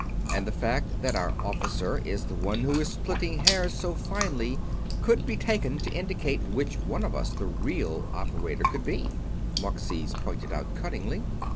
"And the fact that our Officer is the one who is splitting hairs so finely could be taken to indicate which one of us the real operator could be," Marxes pointed out, cuttingly.